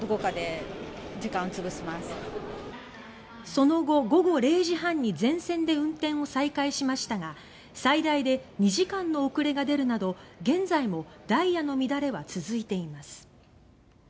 その後、午後０時半に全線で運転を再開しましたが最大で２時間の遅れが出るなど現在もダイヤの乱れは続いています。